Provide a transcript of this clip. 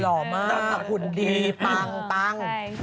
หล่อมากหุ่นดีปัง